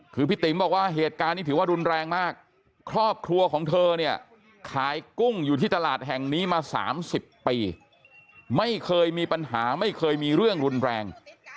คือพี่ติ๋มบอกว่าเหตุการณ์นี้ถือว่ารุนแรงมากครอบครัวของเธอเนี่ยขายกุ้งอยู่ที่ตลาดแห่งนี้มา๓๐ปีไม่เคยมีปัญหาไม่เคยมีเรื่องรุนแรง